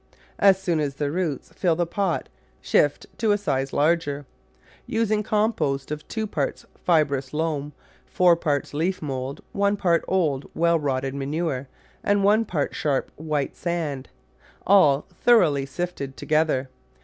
As soon as the roots fill the pots shift to a size larger, using compost of two parts fibrous loam, four parts leaf mould, one part old, well rotted manure, and one part sharp white sand, all thoroughly sifted together.